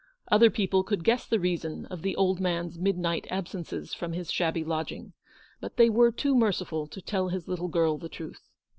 Other people could guess the reason of the old man's midnight absences from his shabby lodging, but they were too merciful to tell his little girl the truth.